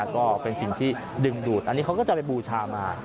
ก็เป็นสิ่งที่ดึงดูดอันนี้เขาก็จะไปบูชามา